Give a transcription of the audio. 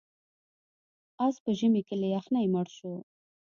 اس په ژمي کې له یخنۍ مړ شو.